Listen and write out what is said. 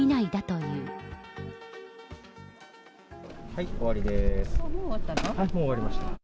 もう終わりました。